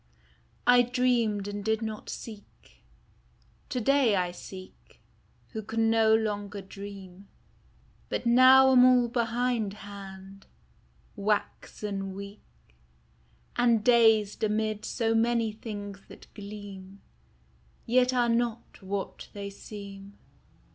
T DREAMED and did not seek : to day I seek Who can no longer dream; But now am all behindhand, waxen weak, And dazed amid so many things that gleam, Yet are not what they seem.